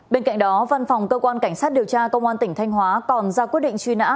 bên cạnh đó văn phòng cơ quan cảnh sát điều tra công an tỉnh thanh hóa còn ra quyết định truy nã